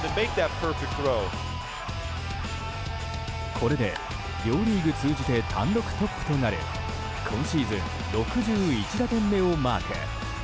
これで、両リーグ通じて単独トップとなる今シーズン６１打点目をマーク。